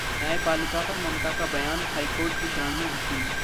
न्यायपालिका पर ममता का बयान, हाईकोर्ट की शरण में वकील